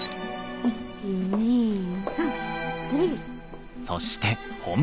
１２３くるり。